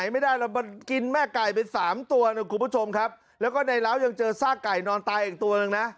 มันกินแม่ไก่เป็นสามตัวนะครับคุณผู้ชมครับแล้วก็ในร้าวยังเจอซากไก่นอนตายอีกตัวหนึ่งนะ